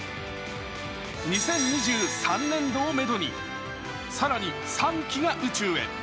２０２３年度をめどに更に３機が宇宙へ。